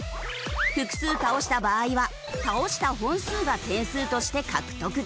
複数倒した場合は倒した本数が点数として獲得できる。